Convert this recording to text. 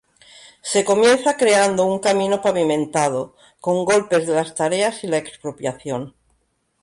Se comienza creando un camino pavimentado, con golpes de las tareas y la expropiación.